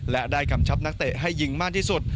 และได้กำชับนักเตะให้ยิงมากที่สุด